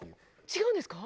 違うんですか？